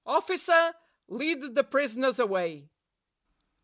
Officer, lead the prisoners away."